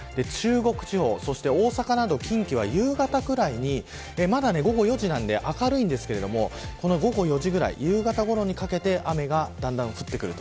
中国地方、そして大阪など近畿は、夕方くらいにまだ午後４時なんで明るいんですけど午後４時ぐらい夕方ごろにかけて雨がだんだん降ってくる。